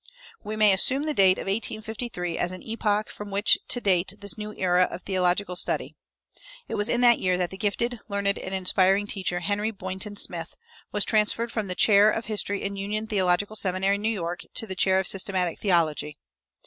We may assume the date of 1853 as an epoch from which to date this new era of theological study. It was in that year that the gifted, learned, and inspiring teacher, Henry Boynton Smith, was transferred from the chair of history in Union Theological Seminary, New York, to the chair of systematic theology.